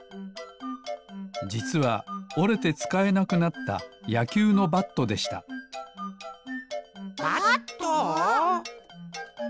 じつはおれてつかえなくなったやきゅうのバットでしたバット？